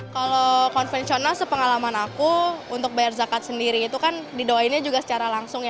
kalau konvensional sepengalaman aku untuk bayar zakat sendiri itu kan didoainnya juga secara langsung ya